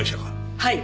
はい。